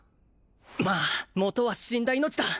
まあ元は死んだ命だ